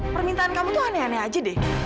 permintaan kamu tuh aneh aneh aja deh